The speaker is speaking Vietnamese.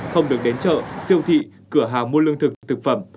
không được đến chợ siêu thị cửa hàng mua lương thực thực phẩm